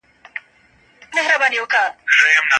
په بازار کې ازاد خواړه مه خورئ.